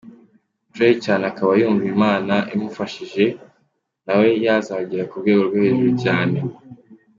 Dre cyane akaba yumva Imana imufashije nawe yazagera ku rwego rwo hejuru cyane.